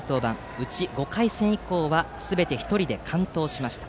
うち５回戦以降はすべて１人で完投しました。